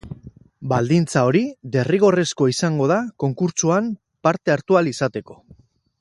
Baldintza hori derrigorrezkoa izango da konkurtsoan parte hartu ahal izateko.